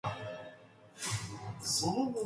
It had no overall direction, coordination, or control.